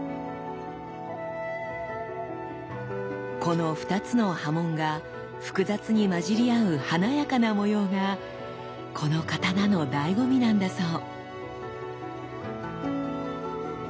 この２つの刃文が複雑に混じり合う華やかな模様がこの刀のだいご味なんだそう。